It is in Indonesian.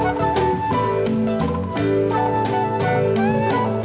beriection juga tuh